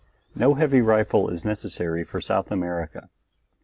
No heavy rifle is necessary for South America.